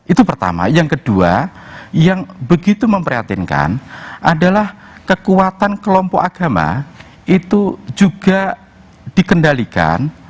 itu pertama yang kedua yang begitu memprihatinkan adalah kekuatan kelompok agama itu juga dikendalikan